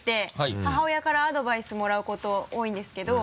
母親からアドバイスもらうこと多いんですけど。